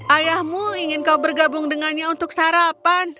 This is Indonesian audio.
ayahmu ingin kau bergabung dengannya untuk sarapan